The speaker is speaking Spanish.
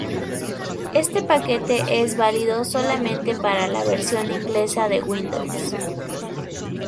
Este paquete es válido solamente para la versión inglesa de Windows.